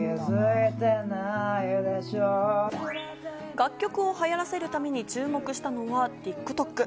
楽曲を流行らせるために注目したのはＴｉｋＴｏｋ。